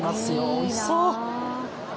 おいしそう！